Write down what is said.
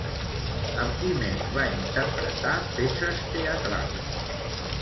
Amb qui més va interpretar peces teatrals?